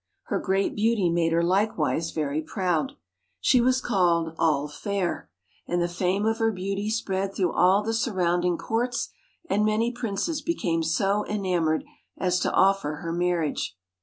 Her great beauty made her likewise very proud. She was called All fair, and the fame of her beauty spread through all the surrounding courts, and many princes became so enamoured as to offer her marriage.